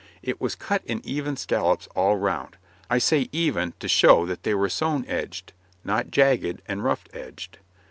It was cut in even scallops all round; I say even to show that they were sewn edged, not jagged and rough edged.